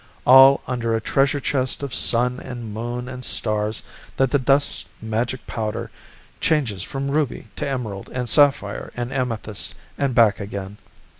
All under a treasure chest of Sun and Moon and stars that the dust's magic powder changes from ruby to emerald and sapphire and amethyst and back again.